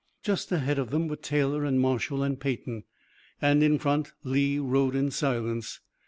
Just ahead of them were Taylor and Marshall and Peyton, and in front Lee rode in silence.